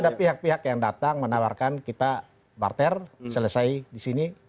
ada pihak pihak yang datang menawarkan kita barter selesai di sini